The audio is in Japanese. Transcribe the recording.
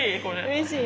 うれしい。